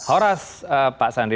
horas pak sandi